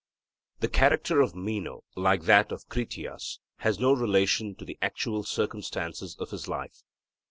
The character of Meno, like that of Critias, has no relation to the actual circumstances of his life.